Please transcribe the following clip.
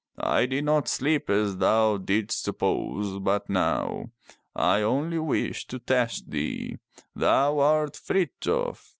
"I did not sleep as thou didst suppose but now. I only wished to test thee. Thou art Frithjof.